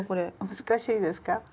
難しいですか？